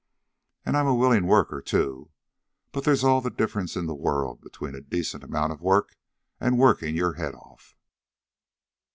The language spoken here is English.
An' I 'm a willin' worker, too. But they's all the difference in the world between a decent amount of work an' workin' your head off."